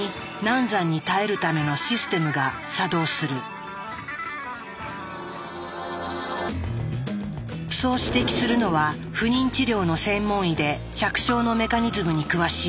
この瞬間にそう指摘するのは不妊治療の専門医で着床のメカニズムに詳しい